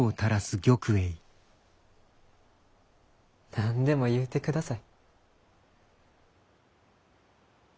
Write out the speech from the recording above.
何でも言うて下さい。